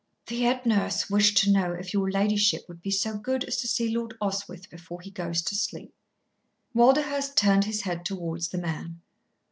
"The head nurse wished to know if your ladyship would be so good as to see Lord Oswyth before he goes to sleep." Walderhurst turned his head towards the man.